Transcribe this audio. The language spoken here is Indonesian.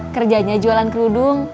kerjanya jualan kerudung